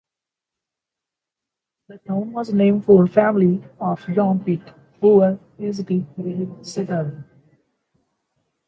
The town was named for the family of John Pitt, who were early settlers.